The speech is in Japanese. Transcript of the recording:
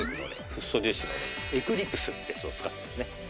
フッ素樹脂のエクリプスってやつを使ってね。